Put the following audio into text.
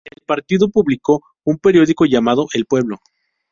El partido publicó un periódico llamado "El Pueblo".